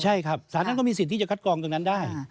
ใช่ครับสารนั้นก็มีสิทธิ์ที่จะคัดกรองตรงนั้นได้